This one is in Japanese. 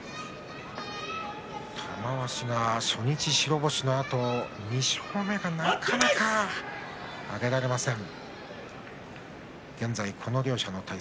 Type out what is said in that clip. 玉鷲が初日白星のあと２勝目がなかなか挙げられません。